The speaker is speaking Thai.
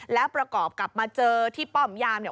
แล้วประกอบกับมาเจอที่ป้อมยามเนี่ย